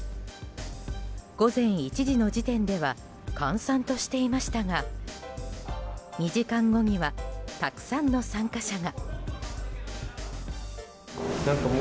午前１時の時点では閑散としていましたが２時間後にはたくさんの参加者が。